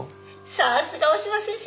さすが大嶋先生！